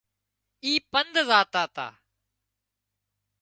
اي پند زاتا تا